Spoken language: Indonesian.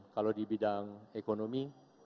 kalau di bidang ekonomi